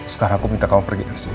sekarang aku minta kamu pergi dari sini